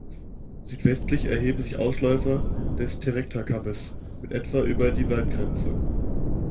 Südwestlich erheben sich Ausläufer des Terekta-Kammes mit etwa über die Waldgrenze.